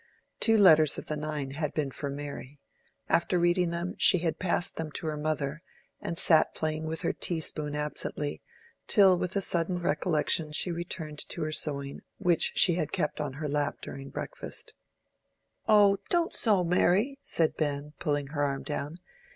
Two letters of the nine had been for Mary. After reading them, she had passed them to her mother, and sat playing with her tea spoon absently, till with a sudden recollection she returned to her sewing, which she had kept on her lap during breakfast. "Oh, don't sew, Mary!" said Ben, pulling her arm down.